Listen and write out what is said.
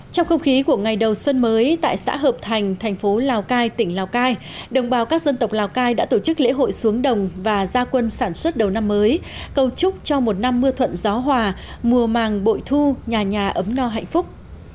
trong không khí của ngày đầu xuân mới tại xã hợp thành thành phố lào cai tỉnh lào cai đồng bào các dân tộc lào cai đã tổ chức lễ hội xuống đồng và gia quân sản xuất đầu năm mới cầu chúc cho một năm mưa thuận gió hòa mùa màng bội thu nhà nhà ấm no hạnh phúc